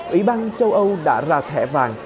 ủy ban châu âu đã ra thẻ vàng